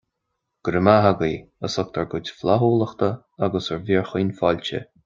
Go raibh maith agaibh as ucht bhur gcuid flaithiúlachta agus bhur fíorchaoin fáilte.